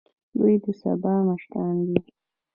دوی د سبا مشران دي